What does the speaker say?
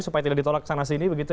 supaya tidak ditolak sana sini begitu